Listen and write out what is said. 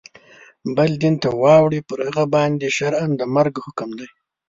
بل دین ته واوړي پر هغه باندي شرعاً د مرګ حکم دی.